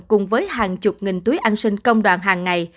cùng với hàng chục nghìn túi ăn sinh công đoàn hàng ngày